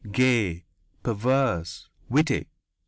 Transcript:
gay, perverse, witty....